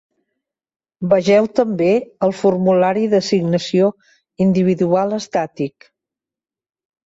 Vegeu també el formulari d'assignació individual estàtic.